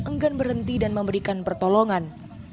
enggan berhenti dan memberikan pertolongan